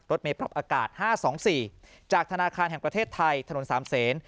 เมย์ปรับอากาศ๕๒๔จากธนาคารแห่งประเทศไทยถนน๓เซน